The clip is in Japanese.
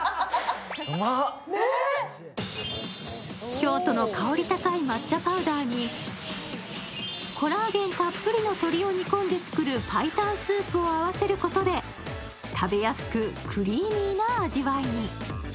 京都の香り高い抹茶パウダーにコラーゲンたっぷりの鶏を煮込んで作る白湯スープを合わせることで食べやすくクリーミーな味わいに。